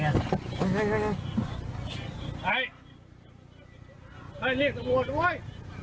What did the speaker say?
ไอ้ใครเรียกสมวนด้วย